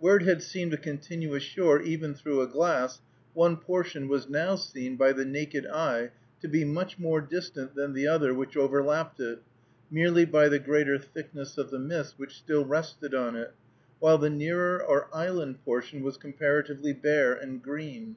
Where it had seemed a continuous shore even through a glass, one portion was now seen by the naked eye to be much more distant than the other which overlapped it, merely by the greater thickness of the mist which still rested on it, while the nearer or island portion was comparatively bare and green.